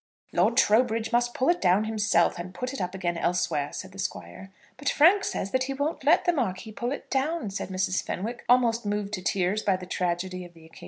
"Lord Trowbridge must pull it down himself, and put it up again elsewhere," said the Squire. "But Frank says that he won't let the Marquis pull it down," said Mrs. Fenwick, almost moved to tears by the tragedy of the occasion.